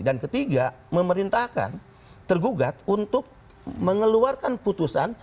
ketiga memerintahkan tergugat untuk mengeluarkan putusan